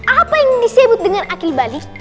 apa yang disebut dengan akil balik